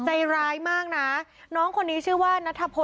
ใจร้ายมากนะน้องคนนี้ชื่อว่านัทพล